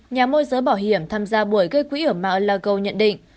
nhà môi giới bảo hiểm tham gia buổi gây quỹ ở mar a lago nhận định